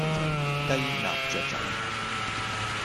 雞鴨雀仔